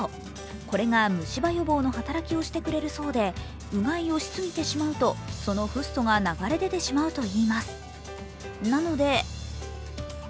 これが虫歯予防の働きをしてくれるそうでうがいをしすぎてしまうとそのフッ素が流れ出てしまうといいます。